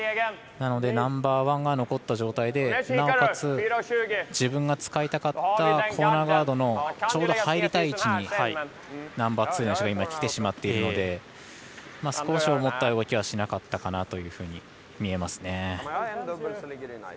なのでナンバーワンが残った状態でなおかつ、自分が使いたかったコーナーガードのちょうど入りたい位置にナンバーツーの石がきてしまっているので少し思った動きはしなかったかなというふうに見えますね。